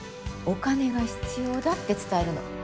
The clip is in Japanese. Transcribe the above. お金が必要だって伝えるの。